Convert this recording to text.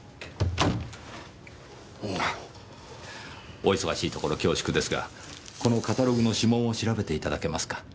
お忙しいところ恐縮ですがこのカタログの指紋を調べていただけますか？